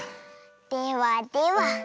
ではでは。